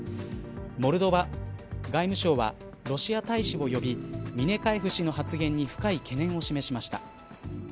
モルドバ外務省はロシア大使を呼びミネカエフ氏の発言に深い懸念を示しました。